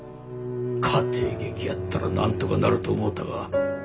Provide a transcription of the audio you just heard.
家庭劇やったらなんとかなると思うたが。